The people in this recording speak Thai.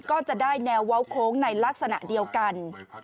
ก็จะได้แนวเว้าโค้งในลักษณะเดียวกัน